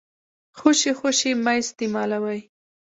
خوشې خوشې يې مه استيمالوئ.